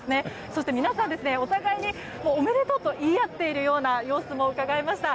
そして皆さん、お互いにおめでとうと言い合っているような様子もうかがえました。